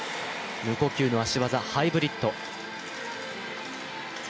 無呼吸の足技ハイブリッド。